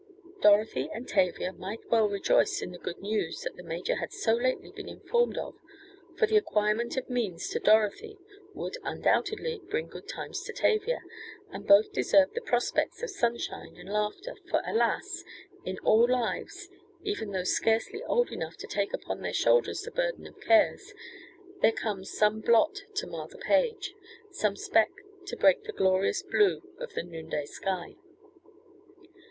Dorothy and Tavia might well rejoice in the good news that the major had so lately been informed of, for the acquirement of means to Dorothy would undoubtedly bring good times to Tavia, and both deserved the prospects of sunshine and laughter, for alas in all lives, even those scarcely old enough to take upon their shoulders the burden of cares, there comes some blot to mar the page: some speck to break the glorious blue of the noonday sky.